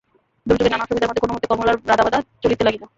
দুর্যোগের নানা অসুবিধার মধ্যে কোনোমতে কমলার রাঁধাবাড়া চলিতে লাগিল।